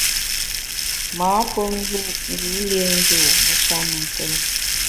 M’â pe ngù u ngu lienjù wume sha mentèn.